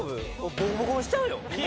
ボコボコにしちゃうよ？